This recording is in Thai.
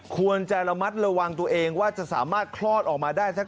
ควรจะระมัดระวังตัวเองว่าจะสามารถคลอดออกมาได้